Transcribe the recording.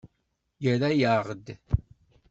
Yerra-aɣ-d.